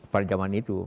pada zaman itu